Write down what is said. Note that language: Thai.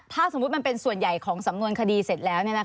ถ้าสมมุติมันเป็นส่วนใหญ่ของสำนวนคดีเสร็จแล้ว